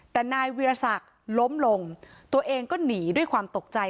แต่นายวิรสักล้มลงตัวเองก็หนีด้วยความตกใจ